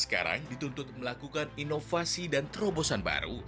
sekarang dituntut melakukan inovasi dan terobosan baru